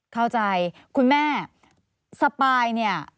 เข้าใจคุณแม่สปายเนี่ย